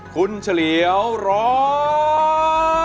กันเฉลียวร้อง